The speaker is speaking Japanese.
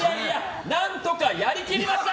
何とかやりきりました！